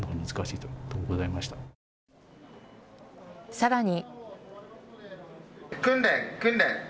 さらに。